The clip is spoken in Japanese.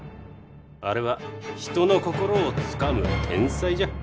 あれは人の心をつかむ天才じゃ。